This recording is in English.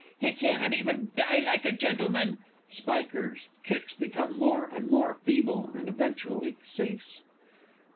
He cannot even die like a gentleman! (SPIKER'S _kicks become more and more feeble and eventually cease.